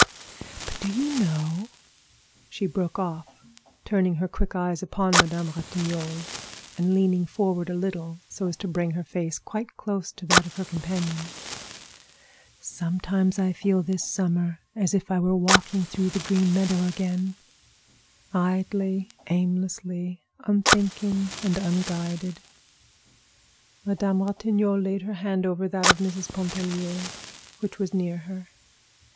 But do you know," she broke off, turning her quick eyes upon Madame Ratignolle and leaning forward a little so as to bring her face quite close to that of her companion, "sometimes I feel this summer as if I were walking through the green meadow again; idly, aimlessly, unthinking and unguided." Madame Ratignolle laid her hand over that of Mrs. Pontellier, which was near her.